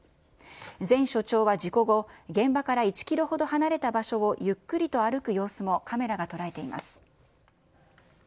前署長は事故後、現場から１キロほど離れた場所をゆっくりと歩く様子もカメラが捉えています。